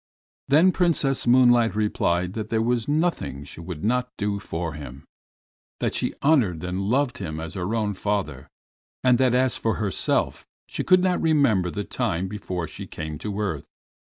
Then Princess Moonlight replied that there was nothing she would not do for him, that she honored and loved him as her own father, and that as for herself she could not remember the time before she came to earth.